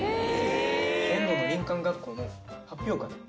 今度の林間学校の発表会。